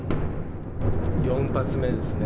４発目ですね。